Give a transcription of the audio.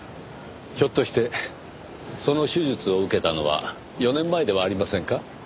ひょっとしてその手術を受けたのは４年前ではありませんか？